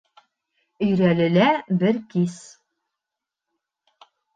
Өйрәлелә бер кис